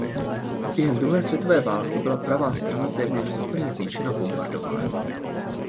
Během druhé světové války byla pravá strana téměř úplně zničena bombardováním.